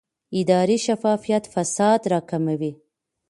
اداري شفافیت فساد راکموي